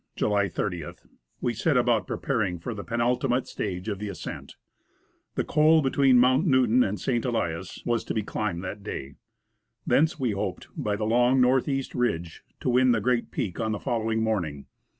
(July 30th), ^^^ we set about preparing for the penulti Mr mate stage of the ascent. The col between J^ Mount Newton and St. Elias was to be ^^,T climbed that day. Thence we hoped, ^•^ by the long north east ridge, to win the ^ great peak on the following morning.